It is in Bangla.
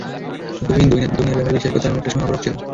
যুদ্ধবিহীন দুনিয়ার ব্যাপারে বিশ্বাস করতে আমি অনেকটা সময় অপারগ ছিলাম।